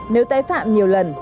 nếu tái phạm nhiều lần